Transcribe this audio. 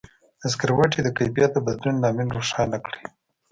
د سکروټي د کیفیت د بدلون لامل روښانه کړئ.